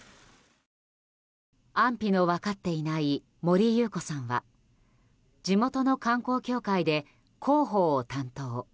安否の分かっていない森優子さんは地元の観光協会で広報を担当。